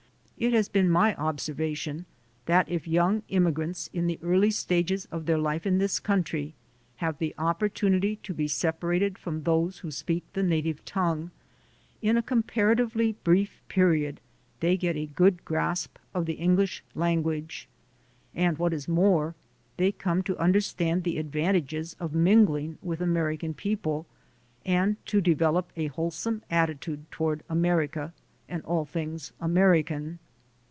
It has been my observation that if young immigrants in the early stages of their life in this country have the opportunity to be separated from those who speak the native tongue, in a comparatively brief period they get a good grasp of the English lan guage. And what is more, they come to understand the advantages of mingling with American people and to develop a wholesome attitude toward America and all things American.